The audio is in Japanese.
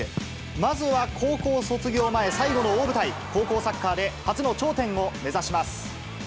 まずは高校卒業前、最後の大舞台、高校サッカーで初の頂点を目指します。